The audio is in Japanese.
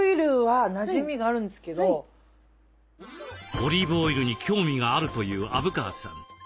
オリーブオイルに興味があるという虻川さん